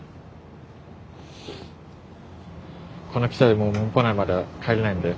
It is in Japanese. この汽車でもう紋穂内までは帰れないんだよ。